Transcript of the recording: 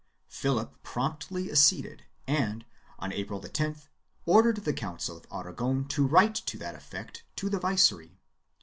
Philip promptly acceded and, on April 10th, ordered the Council of Aragon to write to that effect to the viceroy.